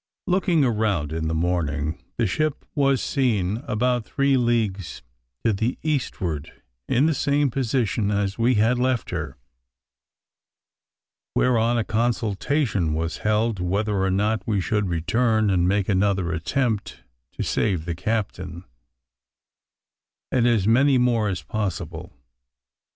Looking around in the morning, the ship was seen about three leagues to the eastward in the same position as we had left her, whereon a consultation was held whether or not we should return and make another attempt to save the captain, and as many more as possible.